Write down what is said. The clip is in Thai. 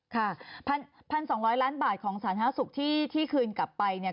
ค่ะ๑๒๐๐ล้านบาทของสาธารณสุขที่คืนกลับไปเนี่ย